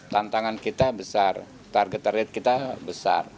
tantangan kita besar target target kita besar